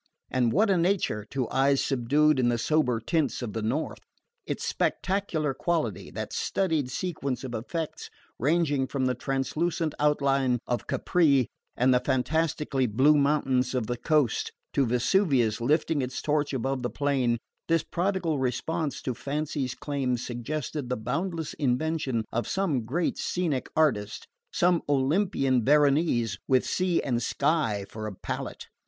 And what a nature to eyes subdued to the sober tints of the north! Its spectacular quality that studied sequence of effects ranging from the translucent outline of Capri and the fantastically blue mountains of the coast, to Vesuvius lifting its torch above the plain this prodigal response to fancy's claims suggested the boundless invention of some great scenic artist, some Olympian Veronese with sea and sky for a palette.